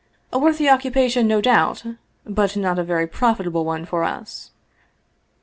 A worthy occupation, no doubt, but not a very profitable one for us."